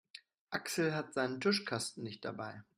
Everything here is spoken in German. Axel hat seinen Tuschkasten nicht dabei.